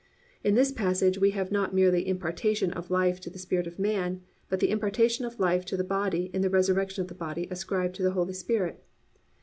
"+ In this passage we have not merely impartation of life to the spirit of man, but the impartation of life to the body in the resurrection of the body ascribed to the Holy Spirit.